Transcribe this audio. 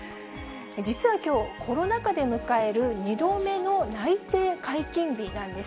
実はきょう、コロナ禍で迎える２度目の内定解禁日なんです。